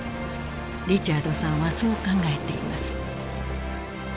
［リチャードさんはそう考えています］